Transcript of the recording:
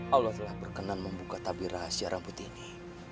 allah telah berkenan membuka tabi rahasia rambut ini